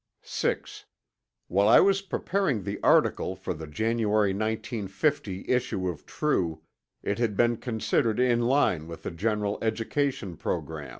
6. While I was preparing the article for the January 1950 issue of True, it had been considered in line with the general education program.